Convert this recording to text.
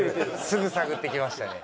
すぐ探ってきましたね。